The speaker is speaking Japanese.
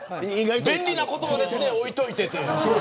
便利な言葉ですね置いておいてって。